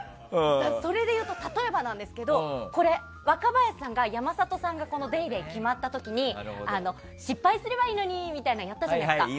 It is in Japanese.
それでいうと、例えばですけど若林さんが山里さんが「ＤａｙＤａｙ．」決まった時に失敗すればいいのにみたいのやったじゃないですか。